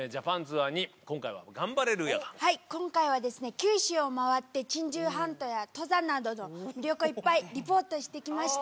九州を回って珍獣ハントや登山などの魅力をいっぱいリポートしてきました。